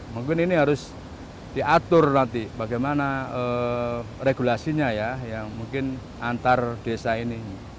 mungkin ini harus diatur nanti bagaimana regulasinya ya yang mungkin antar desa ini